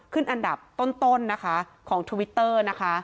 อันดับต้นนะคะของทวิตเตอร์นะคะ